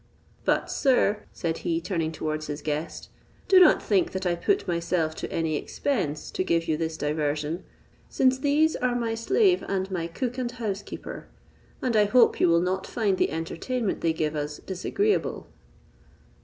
"But, sir," said he, turning towards his guest, "do not think that I put myself to any expense to give you this diversion, since these are my slave and my cook and housekeeper; and I hope you will not find the entertainment they give us disagreeable."